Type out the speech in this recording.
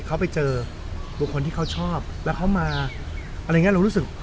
เขาไปเจอบุคคลที่เขาชอบแล้วเขามาอะไรอย่างเงี้เรารู้สึก